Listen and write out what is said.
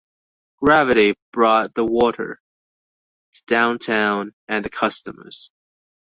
Gravity brought the water to downtown and the customers.